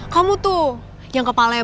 kamu tuh yang kepenting